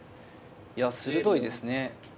いや鋭いですね。